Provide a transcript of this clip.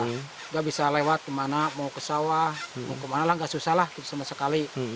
tidak bisa lewat kemana mau ke sawah mau kemana lah nggak susah lah sama sekali